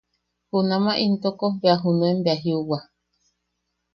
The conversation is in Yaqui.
Junama intoko bea junuen bea jiuwa.